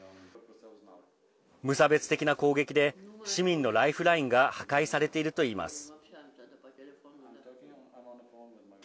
無差別的な攻撃で市民のライフラインが破壊されているといいます。